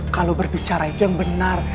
kalau berbicara itu yang benar